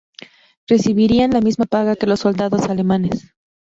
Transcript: Recibirían la misma paga que los soldados alemanes.